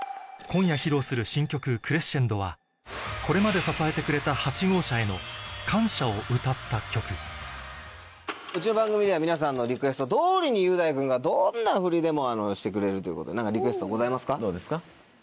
今夜披露するこれまで支えてくれた８号車への感謝を歌った曲うちの番組では皆さんのリクエスト通りに雄大君がどんなフリでもしてくれるということで何かリクエストございますか？